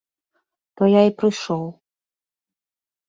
То я і прыйшоў.